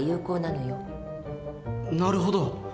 なるほど。